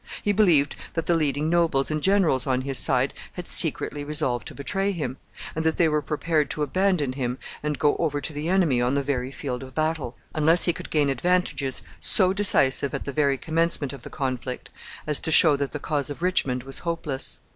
He believed that the leading nobles and generals on his side had secretly resolved to betray him, and that they were prepared to abandon him and go over to the enemy on the very field of battle, unless he could gain advantages so decisive at the very commencement of the conflict as to show that the cause of Richmond was hopeless.